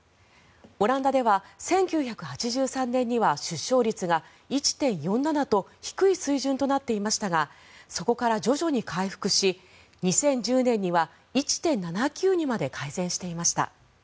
オランダでは１９８３年には出生率が１．４７と低い水準となっていましたがそこから徐々に回復し２０１０年には１．７９にまで改善していました。